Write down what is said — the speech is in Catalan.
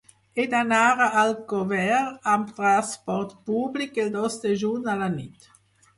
He d'anar a Alcover amb trasport públic el dos de juny a la nit.